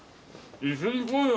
一緒に行こうよ。